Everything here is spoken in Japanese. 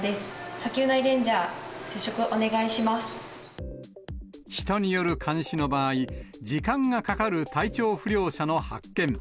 砂丘内レンジャー、人による監視の場合、時間がかかる体調不良者の発見。